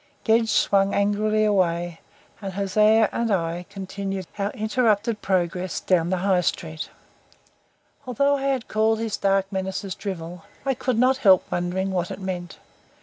Gedge swung angrily away, and Hosea and I continued our interrupted progress down the High Street. Although I had called his dark menaces drivel, I could not help wondering what it meant.